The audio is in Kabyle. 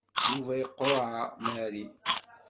Yuba iqureɛ Mary.